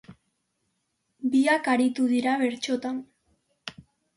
Biak aritu dira bertsotan.